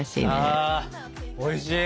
あおいしい。